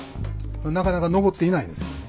なかなか残っていないんですよ。